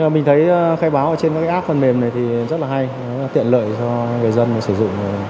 mình thấy khai báo trên app phần mềm này rất là hay tiện lợi cho người dân sử dụng